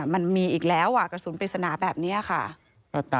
มันมีอีกแล้วกระสุนปริศนาแบบนี้ค่ะ